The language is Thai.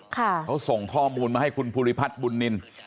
เขาส่งข้อมูลมาให้คุณภูริพัฒน์บุญนิน